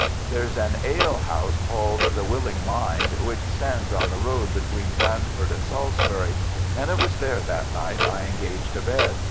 There's an ale house called "The Willing Mind," which stands on the road between Blandford and Salisbury, and it was there that night I engaged a bed.